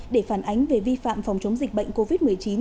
để phản ánh về vi phạm phòng chống dịch bệnh covid một mươi chín